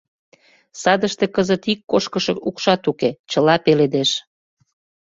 Садыште кызыт ик кошкышо укшат уке, чыла пеледеш.